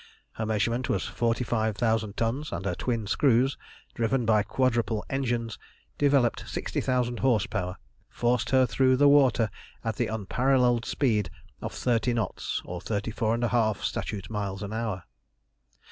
Her measurement was forty five thousand tons, and her twin screws, driven by quadruple engines, developing sixty thousand horse power, forced her through the water at the unparalleled speed of thirty knots, or thirty four and a half statute miles an hour.